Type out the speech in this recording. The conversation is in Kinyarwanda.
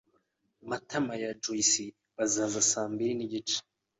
Matama na Joyci bazaza saa mbiri nigice.